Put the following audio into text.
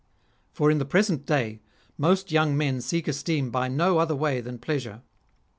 For in the present day most young men seek esteem by no other way than pleasure.